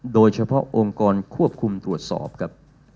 โดยเฉพาะองค์กรควบคุมตรวจสอบครับ